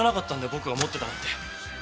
僕が持ってたなんて。